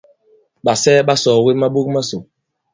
Ɓàsɛɛ ɓa sɔ̀ɔ̀we maɓok masò.